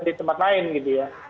di tempat lain gitu ya